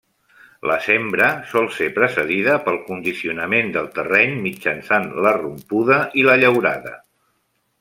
La sembra sol ser precedida pel condicionament del terreny mitjançant la rompuda i la llaurada.